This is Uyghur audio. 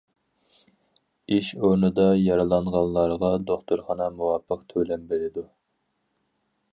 ئىش ئورنىدا يارىلانغانلارغا دوختۇرخانا مۇۋاپىق تۆلەم بېرىدۇ.